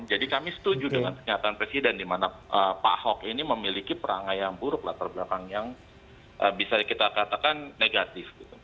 jadi kami setuju dengan pernyataan presiden di mana pak ahok ini memiliki perangai yang buruk lah terbelakang yang bisa kita katakan negatif